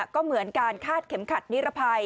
ก็เหมือนการคาดเข็มขัดนิรภัย